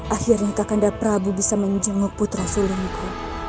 akhirnya kakanda prabu bisa menjemuk putra sulingku